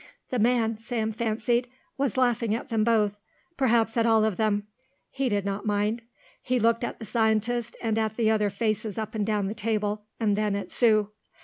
The man, Sam fancied, was laughing at them both, perhaps at all of them. He did not mind. He looked at the scientist and at the other faces up and down the table and then at Sue.